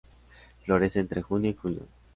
Florece entre junio y julio.